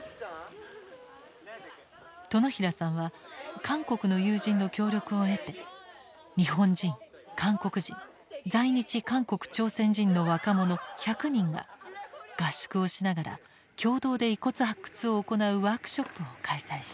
殿平さんは韓国の友人の協力を得て日本人韓国人在日韓国・朝鮮人の若者１００人が合宿をしながら共同で遺骨発掘を行うワークショップを開催した。